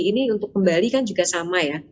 ini untuk kembali kan juga sama ya